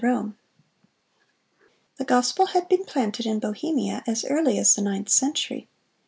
] The gospel had been planted in Bohemia as early as the ninth century.